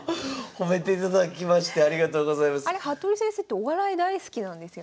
褒めていただきましてありがとうございます。